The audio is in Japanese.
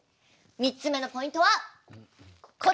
３つ目のポイントはこちら。